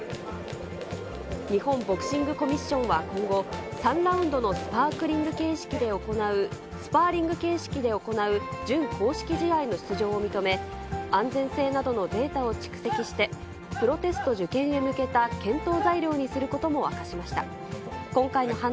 日本ボクシングコミッションは今後、３ラウンドのスパーリング形式で行う準公式試合の出場を認め、安全性などのデータを蓄積して、プロテスト受験へ向けた検討材料にすることも明かしました。